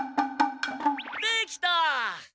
できた！